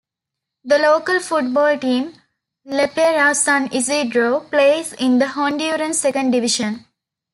The local football team, Lepaera San Isidro, play in the Honduran second division.